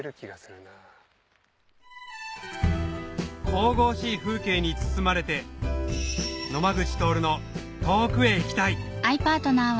神々しい風景に包まれて野間口徹の『遠くへ行きたい』